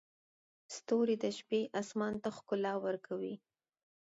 ستوري د شپې اسمان ته ښکلا ورکوي.